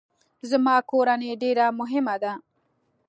زما کورنۍ ډیره مهمه ده